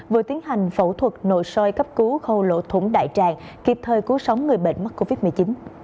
vừa tiến hành phẫu thuật nội soi cấp cứu khâu lộ thủng đại tràng kịp thời cứu sống người bệnh mắc covid một mươi chín